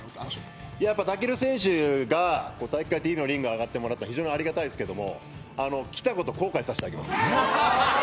やっぱ武尊選手が「体育会ＴＶ」のリングに上がってもらったのは非常にありがたいですけれども来たこと後悔させてあげます。